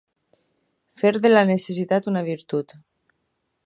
Fer de la necessitat una virtut.